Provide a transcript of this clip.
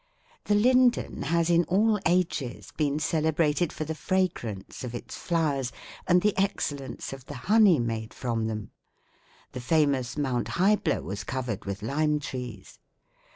"'The linden has in all ages been celebrated for the fragrance of its flowers and the excellence of the honey made from them. The famous Mount Hybla was covered with lime trees.